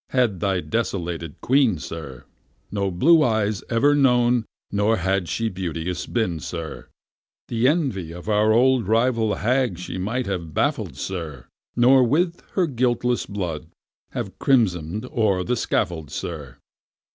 had thy desolated Queen, sir, No blue eyes ever known, nor had she beauteous been, sir, The envy of our old rival hag she might have baffled, sir, Nor with her guiltless blood have crimson'd o'er the scaffold, sir.